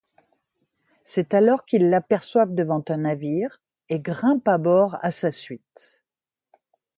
C'est alors qu'ils l'aperçoivent devant un navire, et grimpe à bord à sa suite.